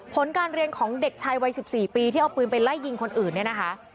ผลการเรียนของเด็กชายวัย๑๔ปีที่เอาปืนไปไล่ยิงคนอื่นเนี่ยนะคะ